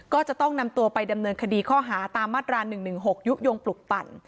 ก็จะต้องนำตัวไปดำเนินคดีข้อหาตามมาตราหนึ่งหนึ่งหกยุคยงปลุกปั่น